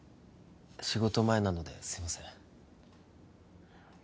仕事前なのですいません